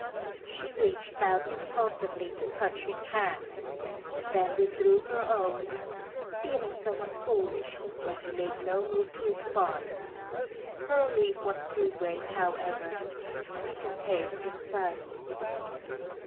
She reached out impulsively to touch his hand, then withdrew her own, feeling somewhat foolish when he made no move to respond. Her relief was too great, however, to be contained in silence.